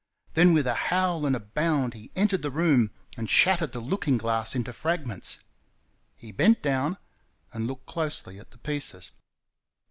Then with a howl and a bound he entered the room and shattered the looking glass into fragments. He bent down and looked closely at the pieces.